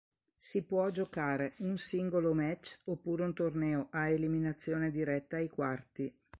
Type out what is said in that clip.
Si può giocare un singolo match oppure un torneo a eliminazione diretta ai quarti.